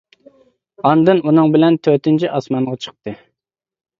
ئاندىن ئۇنىڭ بىلەن تۆتىنچى ئاسمانغا چىقتى.